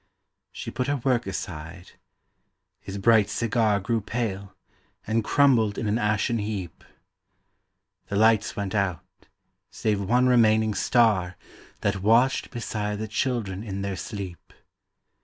She put her work aside; his bright cigar Grew pale, and crumbled in an ashen heap. The lights went out, save one remaining star That watched beside the children in their sleep.